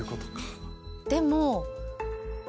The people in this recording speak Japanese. でも。